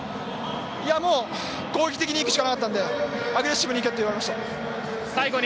いやもう攻撃的にいくしかなかったんでアグレッシブにいけと言われました。